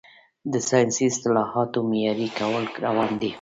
د ساینسي اصطلاحاتو معیاري کول روان دي.